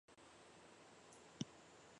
芋形笔螺为笔螺科芋笔螺属下的一个种。